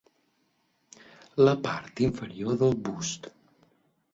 La part inferior del bust.